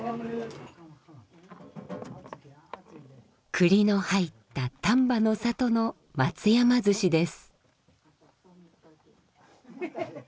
くりの入った丹波の里の松山鮓です。